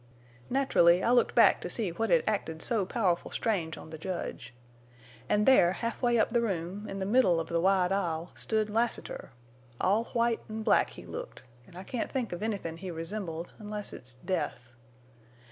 "Nat'rully I looked back to see what hed acted so powerful strange on the judge. An' there, half way up the room, in the middle of the wide aisle, stood Lassiter! All white an' black he looked, an' I can't think of anythin' he resembled, onless it's death.